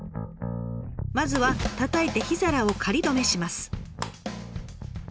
まずはたたいて火皿を仮止めします。